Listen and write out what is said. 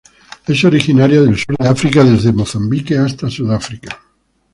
Es originaria del sur de África desde Mozambique hasta Sudáfrica.